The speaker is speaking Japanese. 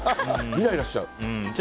イライラしちゃう。